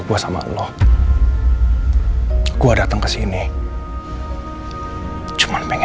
gue gak mau liat lo sedih kayak begini lagi